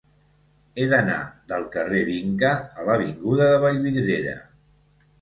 He d'anar del carrer d'Inca a l'avinguda de Vallvidrera.